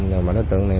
nhưng mà đối tượng này